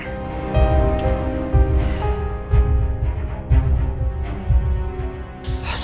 assalamualaikum warahmatullahi wabarakatuh